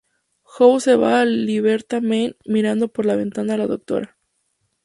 House ve a "Liberta-man" mirando por la ventana, la Dra.